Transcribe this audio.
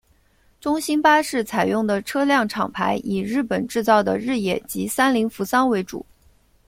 中兴巴士采用的车辆厂牌以日本制造的日野及三菱扶桑为主。